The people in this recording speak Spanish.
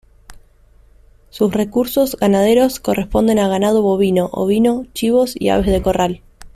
Sus recursos ganaderos corresponden a Ganado bovino, ovino, chivos y aves de corral.